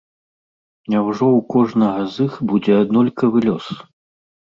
Няўжо ў кожнага з іх будзе аднолькавы лёс?